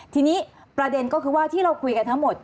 ทีนี้ประเด็นก็คือว่าที่เราคุยกันทั้งหมด